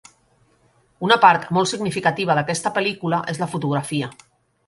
Una part molt significativa d'aquesta pel·lícula és la fotografia.